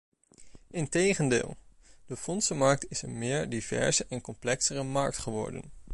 Integendeel, de fondsenmarkt is een meer diverse en complexere markt geworden.